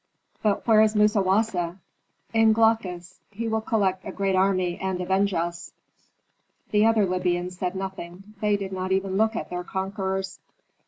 "But where is Musawasa?" "In Glaucus. He will collect a great army and avenge us." The other Libyans said nothing; they did not even look at their conquerors.